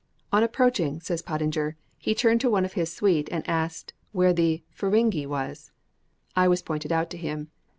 "On approaching," says Pottinger, "he turned to one of his suite and asked where the 'Feringhi' was. I was pointed out to him.